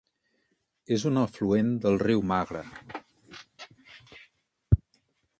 És un afluent del riu Magra.